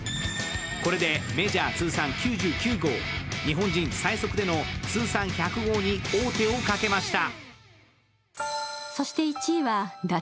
これでメジャー通算９９号、日本人最速での通算１００号に王手をかけました。